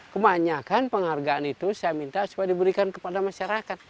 kebanyakan penghargaan itu saya minta supaya diberikan kepada masyarakat